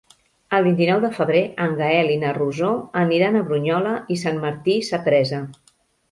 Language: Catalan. El vint-i-nou de febrer en Gaël i na Rosó aniran a Brunyola i Sant Martí Sapresa.